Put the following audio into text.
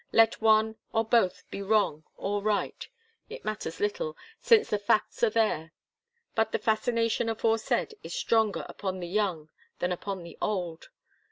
Let one, or both, be wrong or right; it matters little, since the facts are there. But the fascination aforesaid is stronger upon the young than upon the old.